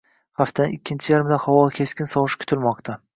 Haftaning ikkinchi yarmida havo keskin sovushi kutilmoqdang